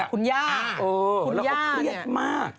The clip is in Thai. คุณญาครับเราเครียดมาก